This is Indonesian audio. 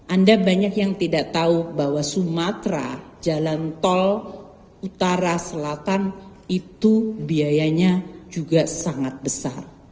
anda banyak yang tidak tahu bahwa sumatera jalan tol utara selatan itu biayanya juga sangat besar